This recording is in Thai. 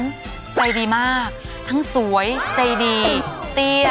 ใจดีมากทั้งสวยใจดีเตี้ย